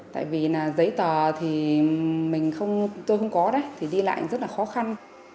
tại vì giấy tờ thì tôi không có đấy thì đi lại rất là khó khăn